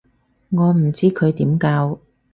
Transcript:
我唔知佢點教